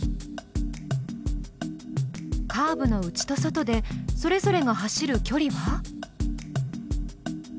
カーブの内と外でそれぞれが走るきょりは？